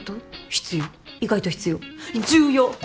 必要意外と必要重要！